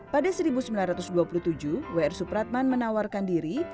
pada seribu sembilan ratus dua puluh tujuh wr supratman menawarkan diri